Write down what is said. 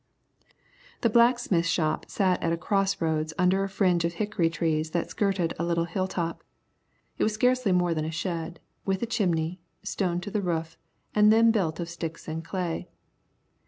The blacksmith shop sat at a crossroads under a fringe of hickory trees that skirted a little hill top. It was scarcely more than a shed, with a chimney, stone to the roof, and then built of sticks and clay.